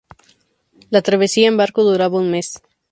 La travesía en barco duraba un mes.